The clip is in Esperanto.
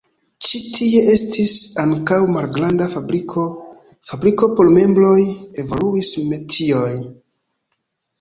Ĉi tie estis ankaŭ malgranda fabriko, fabriko por mebloj, evoluis metioj.